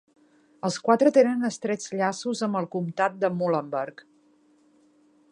Els quatre tenen estrets llaços amb el comtat de Muhlenberg.